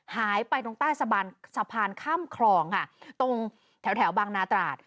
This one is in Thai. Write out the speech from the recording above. หายไปตรงใต้สะพานข้ามคลองค่ะตรงแถวบางนาตราด